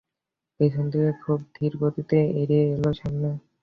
পেছন থেকে খুব ধীর গতিতে এগিয়ে এল সামনে।